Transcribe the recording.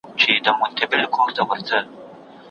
چي نن ولویږي له تخته سبا ګوري